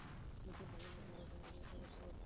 মৃতকে স্বল্প সময়ের জন্য জীবিত করতে পারত।